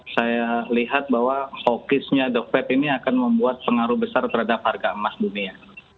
saya lihat bahwa fokusnya the fed ini akan membuat pengaruh besar terhadap harga emas dunia